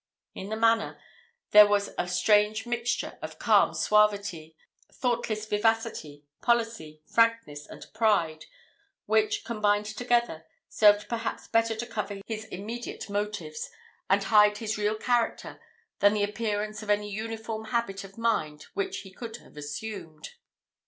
In his manner, there was a strange mixture of calm suavity, thoughtless vivacity, policy, frankness, and pride, which, combined together, served perhaps better to cover his immediate motives, and hide his real character, than the appearance of any uniform habit of mind which he could have assumed.